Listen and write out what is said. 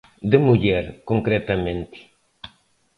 De muller, concretamente.